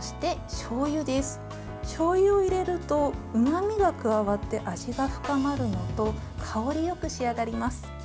しょうゆを入れるとうまみが加わって味が深まるのと香りよく仕上がります。